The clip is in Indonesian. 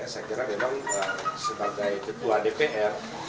saya kira memang sebagai ketua dpr